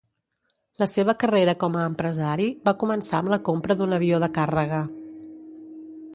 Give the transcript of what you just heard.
La seva carrera com a empresari va començar amb la compra d'un avió de càrrega.